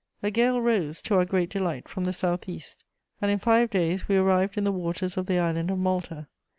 "A gale rose, to our great delight, from the south east, and in five days we arrived in the waters of the island of Malta.